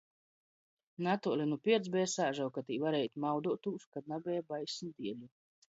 Natuoli nu pierts beja sāžauka, tī varēja īt mauduotūs, ka nabeja bais nu dieļu.